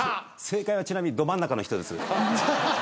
正解はちなみにど真ん中の人です。